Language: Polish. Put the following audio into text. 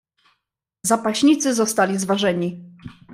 "Zapaśnicy zostali zważeni."